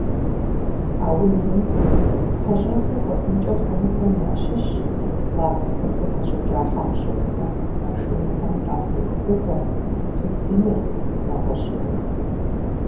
А узым пэщӀэдзэ хуэхъункӀэ хъунухэм ящыщщ пластикым къыхэщӏыкӏа хьэкъущыкъухэр, машинэхэм къапиху Ӏугъуэр, тутыныр, нэгъуэщӏхэри.